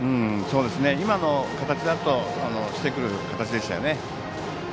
今の形だとしてくる形でしたよね。